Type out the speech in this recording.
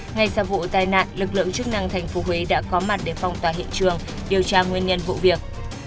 ngay sau vụ tai nạn lực lượng chức năng tp huế đã có mặt để phong tỏa hiện trường điều tra nguyên nhân vụ việc